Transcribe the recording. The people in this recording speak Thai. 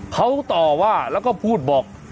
เขาต่อว่าแล้วก็พูดบอก